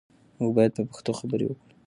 موږ باید په پښتو خبرې وکړو.